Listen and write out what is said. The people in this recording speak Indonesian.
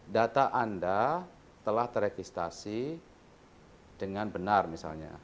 data anda telah terekistasi dengan benar misalnya